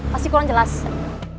masih kurangnya berhasil